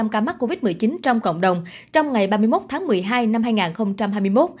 một trăm bảy mươi năm ca mắc covid một mươi chín trong cộng đồng trong ngày ba mươi một tháng một mươi hai năm hai nghìn hai mươi một